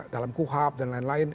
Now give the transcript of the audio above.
dalam kuhab dan lain lain